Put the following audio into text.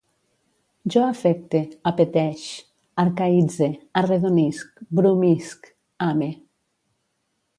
Jo afecte, apeteix, arcaïtze, arredonisc, brumisc, ame